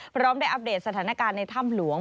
พร้อมได้อัปเดตสถานการณ์ในถ้ำหลวง